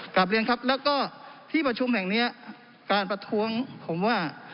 กลับเรียนครับแล้วก็ที่ประชุมแห่งนี้การประท้วงผมว่า